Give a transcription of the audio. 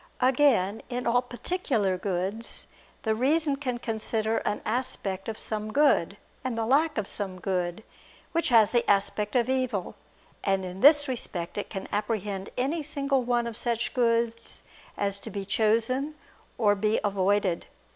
Again, in all particular goods, the reason can consider an aspect of some good, and the lack of some good, which has the aspect of evil: and in this respect, it can apprehend any single one of such goods as to be chosen or to be avoided.